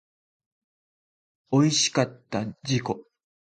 おいしかった自己